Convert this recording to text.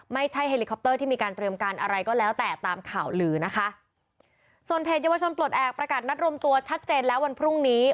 เฮลิคอปเตอร์ที่มีการเตรียมการอะไรก็แล้วแต่ตามข่าวลือนะคะส่วนเพจเยาวชนปลดแอบประกาศนัดรวมตัวชัดเจนแล้ววันพรุ่งนี้